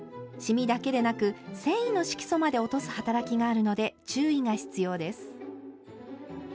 シミだけでなく繊維の色素まで落とす働きがあるので注意が必要です。